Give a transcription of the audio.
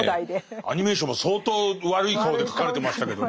アニメーションも相当悪い顔で描かれてましたけどね。